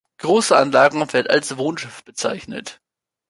Große Anlagen werden als Wohnschiff bezeichnet.